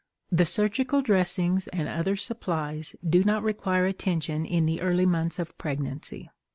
The surgical dressings and other supplies do not require attention in the early months of pregnancy.